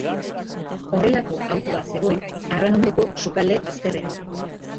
Horrelako autua zegoen Arranondoko sukalde bazterrean.